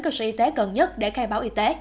cơ sở y tế gần nhất để khai báo y tế